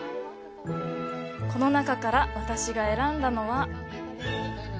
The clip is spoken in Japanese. この中から私が選んだのは。